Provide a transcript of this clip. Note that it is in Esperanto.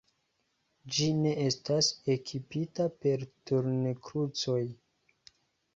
Ĝi ne estas ekipita per turnkrucoj.